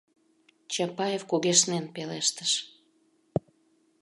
— Чапаев кугешнен пелештыш.